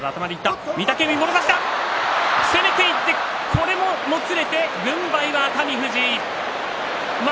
これも、もつれて軍配は熱海富士。